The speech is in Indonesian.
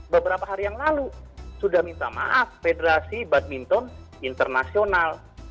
beberapa hari yang lalu sudah minta maaf federasi badminton internasional